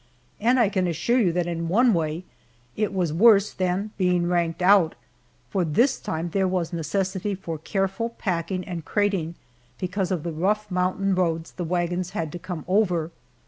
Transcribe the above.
And I can assure you that in one way it was worse than being ranked out, for this time there was necessity for careful packing and crating, because of the rough mountain roads the wagons had to come over.